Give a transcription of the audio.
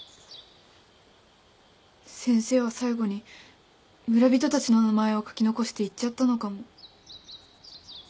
先生は最後に村人たちの名前を書き残して行っちゃったのかも。